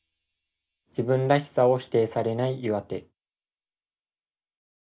「自分らしさを否定されない岩手」。